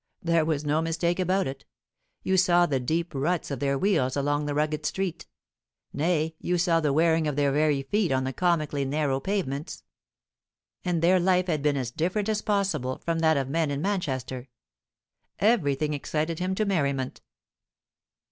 There was no mistake about it; you saw the deep ruts of their wheels along the rugged street; nay, you saw the wearing of their very feet on the comically narrow pavements. And their life had been as different as possible from that of men in Manchester. Everything excited him to merriment.